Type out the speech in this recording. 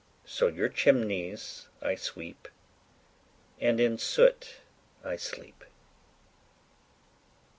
So your chimneys I sweep, and in soot I sleep.